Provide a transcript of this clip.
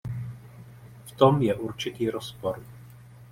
V tom je určitý rozpor.